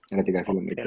ada tiga film itu